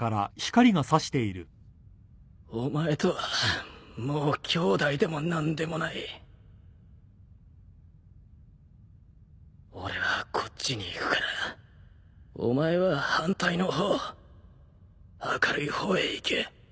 お前とはもうきょうだいでも何でもない。俺はこっちに行くからお前は反対の方明るい方へ行け。